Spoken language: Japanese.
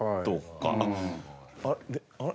あれ？